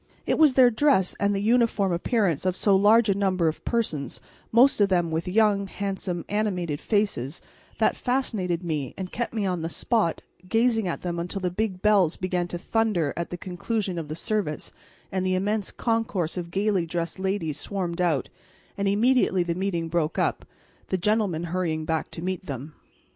It was their dress and the uniform appearance of so large a number of persons, most of them with young, handsome, animated faces, that fascinated me and kept me on the spot gazing at them until the big bells began to thunder at the conclusion of the service and the immense concourse of gaily dressed ladies swarmed out, and immediately the meeting broke up, the gentlemen hurrying back to meet them.